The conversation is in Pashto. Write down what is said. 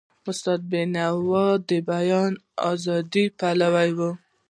استاد بینوا د بیان د ازادی پلوی و.